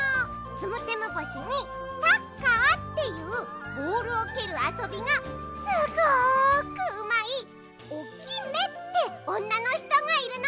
ツムテム星にサッカーっていうボールをけるあそびがすごくうまいオキメっておんなのひとがいるの。